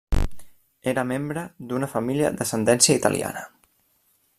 Era membre d'una família d'ascendència italiana.